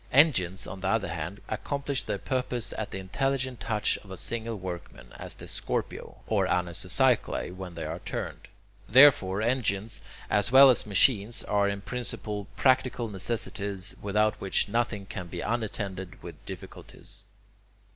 Engines, on the other hand, accomplish their purpose at the intelligent touch of a single workman, as the scorpio or anisocycli when they are turned. Therefore engines, as well as machines, are, in principle, practical necessities, without which nothing can be unattended with difficulties.